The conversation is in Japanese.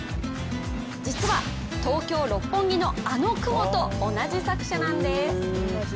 実は、東京・六本木のあのクモと同じ作者なんです。